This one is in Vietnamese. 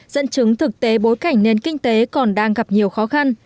dẫn chứng thực tế bối cảnh nền kinh tế còn đang gặp nhiều khó khăn